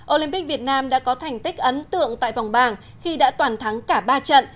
olympic việt nam đã có thành tích ấn tượng tại vòng bảng khi đã toàn thắng cả ba trận